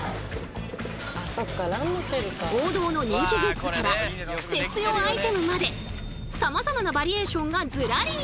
王道の人気グッズからクセつよアイテムまでさまざまなバリエーションがずらり！